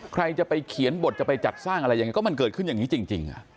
ใครจะไปเขียนบทจะไปจัดสร้างอะไรยังไงก็มันเกิดขึ้นอย่างนี้จริง